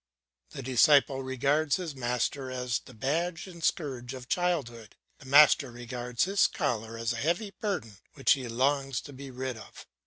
The disciple regards his master as the badge and scourge of childhood, the master regards his scholar as a heavy burden which he longs to be rid of.